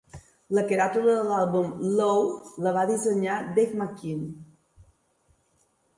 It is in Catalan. La caràtula de l'àlbum Low la va dissenyar Dave McKean.